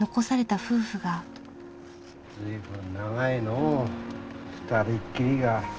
随分長いのう二人きりが。